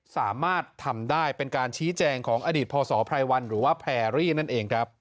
สามารถทำได้เป็นการชี้แจงของอดีตพศไพรวันหรือว่าแพรรี่นั่นเองครับ